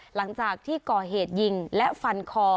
หลังจากที่ก่อเหตุยิงและฟันคอ